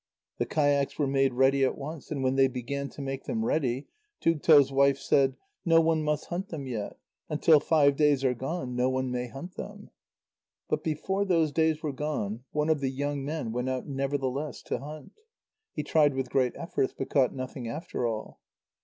The kayaks were made ready at once, and when they began to make them ready, Tugto's wife said: "No one must hunt them yet; until five days are gone no one may hunt them." But before those days were gone, one of the young men went out nevertheless to hunt. He tried with great efforts, but caught nothing after all.